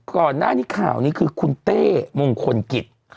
ก่อนหน้านี้ข่าวนี้คือคุณเต้มงคลกิจ